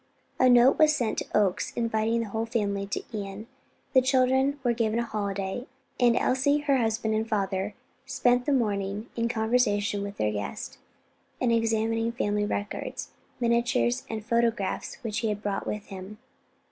A note was sent to the Oaks inviting the whole family to Ion; the children were given a holiday, and Elsie, her husband, and father, spent the morning in conversation with their guest, and in examining family records, miniatures and photographs which he had brought with him.